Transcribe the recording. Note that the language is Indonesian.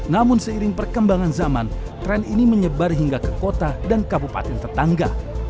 namun seiring perkembangan zaman tren ini menyebar hingga ke kota dan kabupaten tetangga